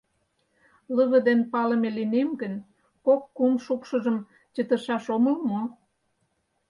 — Лыве дене палыме лийнем гын, кок-кум шукшыжым чытышаш омыл мо?